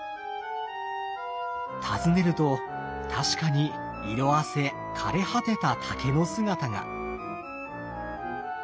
訪ねると確かに色あせ枯れ果てた竹の姿が。